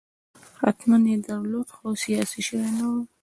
حتماً یې درلود خو سیاسي شوی نه و.